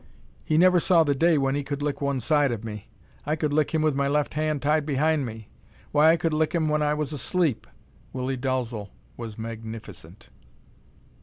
"He never saw the day when he could lick one side of me. I could lick him with my left hand tied behind me. Why, I could lick him when I was asleep." Willie Dalzel was magnificent.